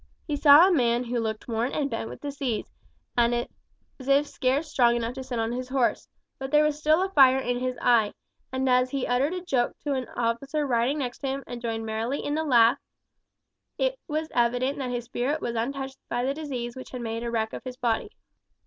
He saw a man who looked worn and bent with disease, and as if scarce strong enough to sit on his horse; but there was still a fire in his eye, and as he uttered a joke to an officer riding next to him and joined merrily in the laugh, it was evident that his spirit was untouched by the disease which had made a wreck of his body.